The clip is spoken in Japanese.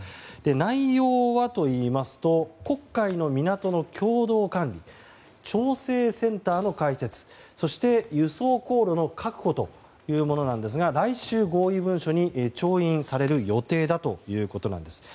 内容はといいますと黒海の港の共同管理調整センターの開設そして輸送航路の確保というものなんですが来週、合意文書に調印される予定だということなんです。